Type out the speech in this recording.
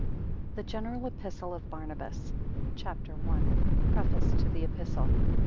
] THE GENERAL EPISTLE OF BARNABAS. CHAPTER I. Preface to the Epistle.